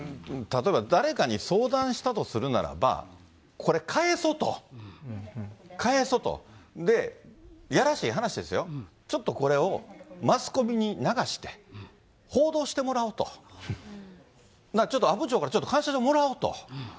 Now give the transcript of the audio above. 例えば、誰かに相談したとするならば、これ、返そうと、返そうと、で、やらしい話ですよ、ちょっとこれをマスコミに流して、報道してもらおうと、ちょっと阿武町から感謝状もらおうと。